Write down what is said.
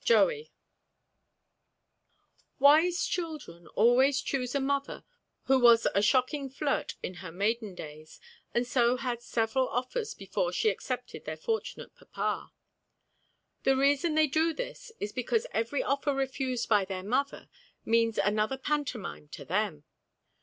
Joey Wise children always choose a mother who was a shocking flirt in her maiden days, and so had several offers before she accepted their fortunate papa. The reason they do this is because every offer refused by their mother means another pantomime to them.